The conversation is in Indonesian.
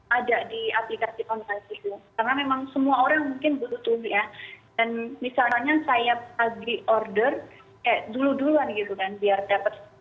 ada di aplikasi karena memang semua orang mungkin butuh ya dan misalnya saya pagi order dulu dulu gitu kan biar dapat itu